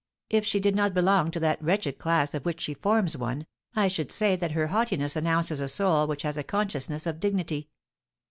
If she did not belong to that wretched class of which she forms one, I should say that her haughtiness announces a soul which has a consciousness of dignity."